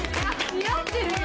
・似合ってるよ。